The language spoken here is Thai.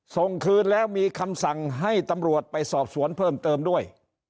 ส่งคืนแล้วมีคำสั่งให้ตำรวจไปสอบสวนเพิ่มเติมด้วย